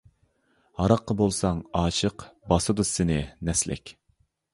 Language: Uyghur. ھاراققا بولساڭ ئاشىق، باسىدۇ سىنى نەسلىك.